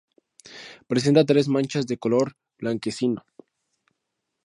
Presenta tres manchas de color blanquecino.